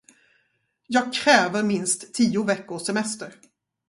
Jag kräver minst tio veckors semester.